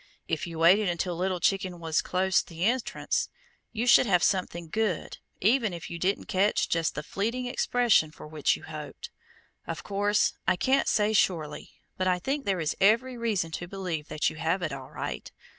If you waited until Little Chicken was close the entrance, you should have something good, even if you didn't catch just the fleeting expression for which you hoped. Of course, I can't say surely, but I think there is every reason to believe that you have it all right.